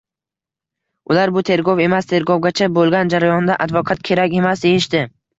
Ular: «Bu tergov emas, tergovgacha bo‘lgan jarayonda advokat kerak emas», deyishdi.